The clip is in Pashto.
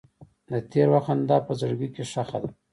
د تېر وخت خندا په زړګي کې ښخ ده.